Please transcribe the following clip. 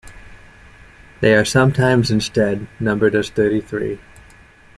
They are sometimes instead numbered as thirty-three.